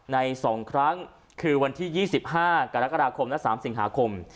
ใน๒ครั้งคือวันที่๒๕กรกฎาคมและ๓สิงหาคม